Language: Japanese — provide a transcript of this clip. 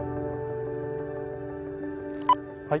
はい。